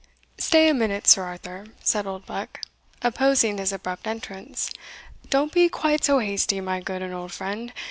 "Stay a minute, Sir Arthur," said Oldbuck, opposing his abrupt entrance; "don't be quite so hasty, my good old friend.